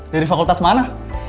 dari fakultas mana